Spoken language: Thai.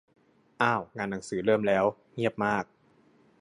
อ้าว งานหนังสือเริ่มแล้ว เงียบมาก